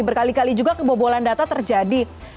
berkali kali juga kebobolan data terjadi